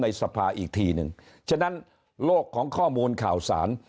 ในสภาอีกทีหนึ่งฉะนั้นโลกของข้อมูลข่าวสาร